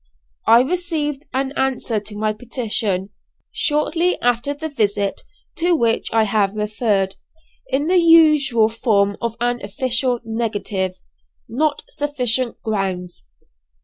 I received an answer to my petition, shortly after the visit to which I have referred, in the usual form of an official negative, "Not sufficient grounds."